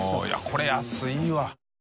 これ安いわ。